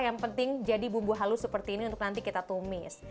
yang penting jadi bumbu halus seperti ini untuk nanti kita tumis